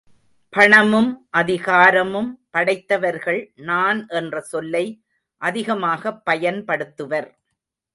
பணமும் அதிகாரமும் படைத்தவர்கள் நான் என்ற சொல்லை அதிகமாகப் பயன்படுத்துவர்.